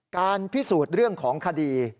การพิสูจน์เรื่องของคดี